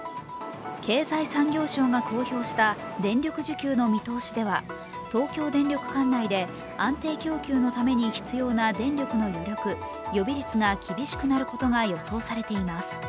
経済産業省が公表した電力需給の見通しでは東京電力管内で安定供給のために必要な電力の余力＝予備率が厳しくなることが予想されています。